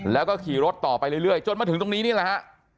แล้วก็ขี่รถต่อไปเรื่อยจนมาถึงตรงนี้นี่แหละฮะ